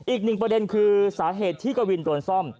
อีกหนึ่งประเด็นคือสาเหตุที่กวินโดนซ่อม